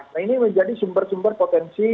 nah ini menjadi sumber sumber potensi